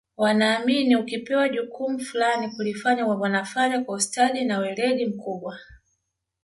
wanaamini wakipewa jukumu fulani kulifanya wanafanya kwa ustadi na weredi mkubwa